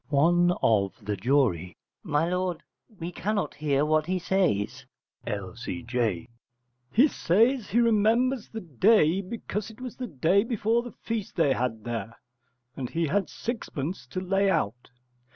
One of the Jury. My lord, we cannot hear what he says. L.C.J. He says he remembers the day because it was the day before the feast they had there, and he had sixpence to lay out.